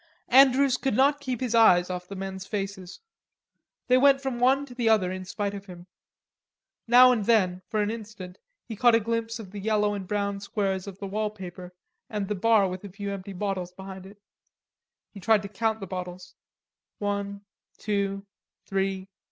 Andrews could not keep his eyes off the men's faces. They went from one to the other, in spite of him. Now and then, for an instant, he caught a glimpse of the yellow and brown squares of the wall paper and the bar with a few empty bottles behind it. He tried to count the bottles; "one, two, three..."